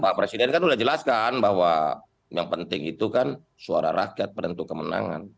pak presiden kan sudah jelaskan bahwa yang penting itu kan suara rakyat penentu kemenangan